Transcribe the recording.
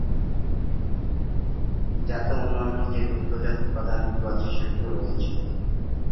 যাতে অন্যান্য যে দুগ্ধজাত উপাদানগুলো আছে সেগুলো রয়েছে।